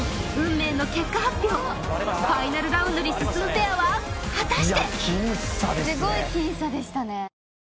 ファイナルラウンドに進むペアは果たして？